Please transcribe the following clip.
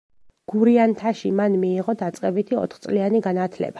გურიანთაში მან მიიღო დაწყებითი ოთხწლიანი განათლება.